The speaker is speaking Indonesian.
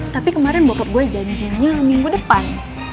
tapi kemarin bokap gue janjiannya minggu depan